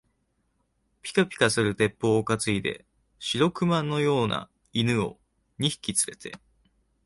ぴかぴかする鉄砲をかついで、白熊のような犬を二匹つれて、